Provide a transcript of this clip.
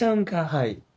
はい。